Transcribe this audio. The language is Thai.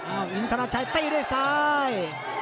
อ้าวอินทราชัยไต้ด้วยซ้าย